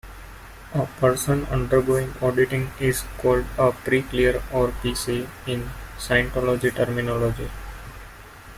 A person undergoing auditing is called a "pre-clear" or "pc" in Scientology terminology.